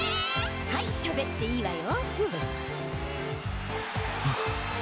はいしゃべっていいわよ。